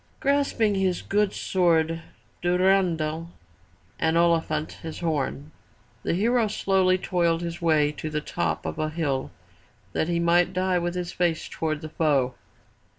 Grasping his good sword Du ren dal' and Oliphant his horn, the hero slowly toiled his way to the top of a hill that he might die with his face toward the foe.